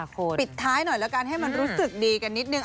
ปิดท้ายหน่อยแล้วกันให้มันรู้สึกดีกันนิดนึง